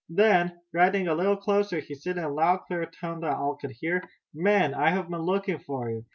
Then, riding a little closer, he said in a loud, clear tone that all could hear: "Men, I have been looking for you!